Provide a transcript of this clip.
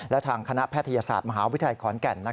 แล้วทางคณะแพทยศาสตร์มหาวิทยาครแก่น